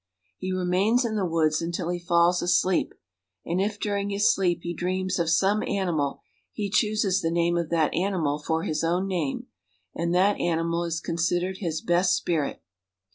He remains in the woods until he falls asleep, and if during his sleep he dreams of some animal, he chooses the name of that animal for his own name, and that animal is considered his best spirit.